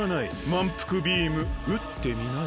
まんぷくビームうってみなよ。